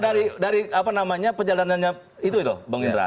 kalau dari apa namanya penjalanannya itu bang indra